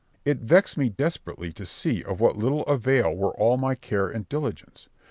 It vexed me desperately to see of what little avail were all my care and diligence.